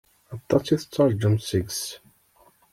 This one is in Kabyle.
Aṭas i tettṛaǧum seg-s.